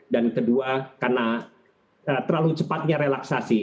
dan kedua karena terlalu cepatnya relaksasi